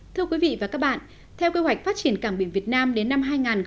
thưa quý vị và các bạn theo kế hoạch phát triển cảng biển việt nam đến năm hai nghìn ba mươi